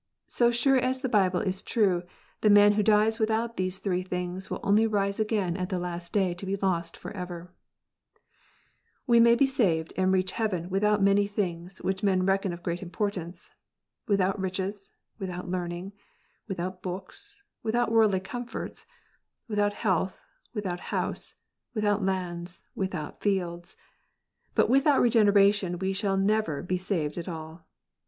So sure as the Bible is true^the man who dies without these three things^ will only nsejgain at the last day to be lost f or eve We may be saved and reach heaven without many things which men reckon of great importance, without riches, without learning, without books, without worldly comforts, without I health, without house, without lands, without friends; but i without Regeneration we shall neuerjbe saved at all.